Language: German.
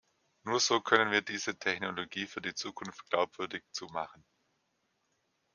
Nur so können wir diese Technologie für die Zukunft glaubwürdig zu machen.